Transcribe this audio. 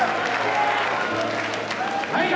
はい！